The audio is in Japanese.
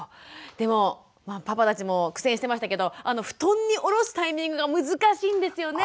でもパパたちも苦戦してましたけど布団に下ろすタイミングが難しいんですよね。